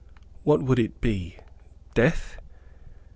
What would it be? Death?